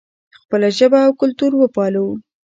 خپله ژبه او کلتور وپالو.